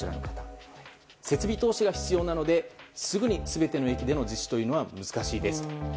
設備投資が必要なのですぐに全ての駅での実施というのは難しいですと。